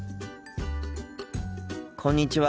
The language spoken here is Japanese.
こんにちは。